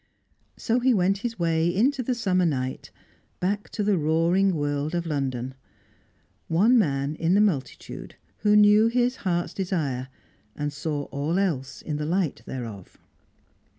So he went his way into the summer night, back to the roaring world of London; one man in the multitude who knew his heart's desire, and saw all else in the light thereof.